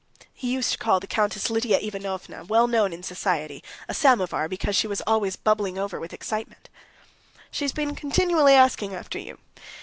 (He used to call the Countess Lidia Ivanovna, well known in society, a samovar, because she was always bubbling over with excitement.) "She has been continually asking after you.